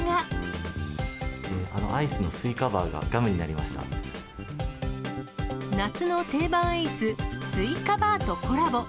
アイスのスイカバーがガムに夏の定番アイス、スイカバーとコラボ。